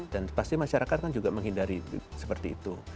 dan pasti masyarakat kan juga menghindari seperti itu